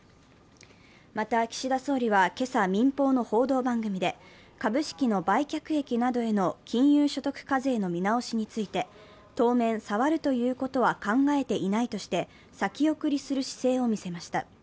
また岸田総理は今朝、民放の報道番組で株式の売却益などへの金融所得課税の見直しについて当面、触るということは考えていないとして、先送りする姿勢を見せました。